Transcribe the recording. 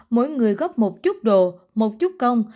mỗi người góp một chút đồ một chút công